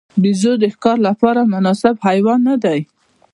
بیزو د ښکار لپاره مناسب حیوان نه دی.